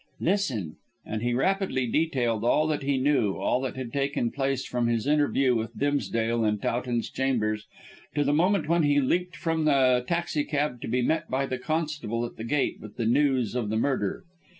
"Listen!" and he rapidly detailed all that he knew, all that had taken place from his interview with Dimsdale in Towton's chambers to the moment when he leapt from the taxicab to be met by the constable at the gate with the news of the murder.